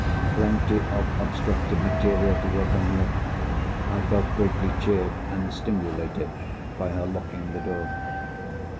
Plenty of obstructive material to work on here! I felt greatly cheered and stimulated by her locking the door.